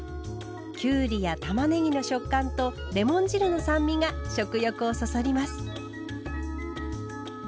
きゅうりやたまねぎの食感とレモン汁の酸味が食欲をそそります。